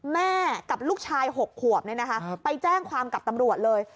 แม่กับลูกชาย๖ขวบไปแจ้งความกับตำรวจเลย